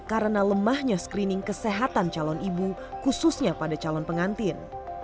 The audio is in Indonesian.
karena lemahnya screening kesehatan calon ibu khususnya pada calon pengantin